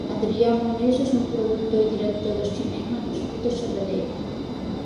Adrià Monés és un productor i director de cinema nascut a Sabadell.